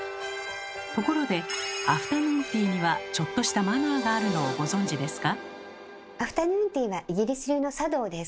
ところでアフタヌーンティーにはちょっとしたマナーがあるのをご存じですか？